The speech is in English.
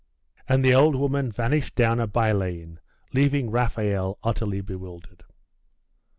And the old woman vanished down a by lane, leaving Raphael utterly bewildered.